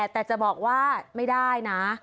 แต่จะบอกว่าไม่ได้นะ